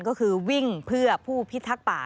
ก็คือวิ่งเพื่อผู้พิทักษ์ป่า